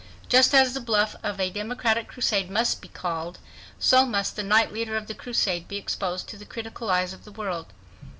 Just as the bluff of a democratic crusade must be called, so must the knight leader of the crusade be exposed to the critical eyes of the world.